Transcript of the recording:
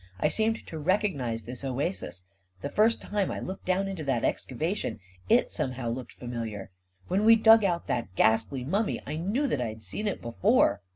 I seemed to recognize this oasis; the first time I looked down into that excava tion, it somehow looked familiar ; when we dug out that ghastly mummy, I knew that I had seen it before